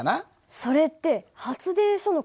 それって発電所の事？